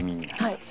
はい。